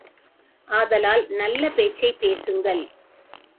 ஆதலால் நல்ல பேச்சைப் பேசுங்கள்.